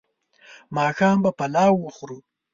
ماښام به پلاو وخورو